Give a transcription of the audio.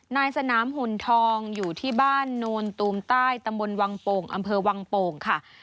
นายสนามหุ่นทองอยู่ที่บ้านโนนตูมใต้ตำบลวังโป่งอำเภอวังโป่งค่ะ